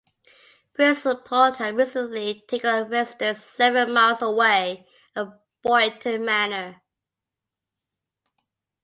Prince Leopold had recently taken up residence seven miles away at Boyton Manor.